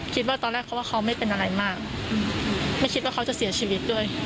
คิดว่าตอนแรกเขาว่าเขาไม่เป็นอะไรมากไม่คิดว่าเขาจะเสียชีวิตด้วย